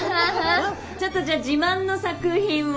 ちょっとじゃあ自慢の作品を。